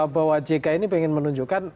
bahwa jk ini pengen menunjukkan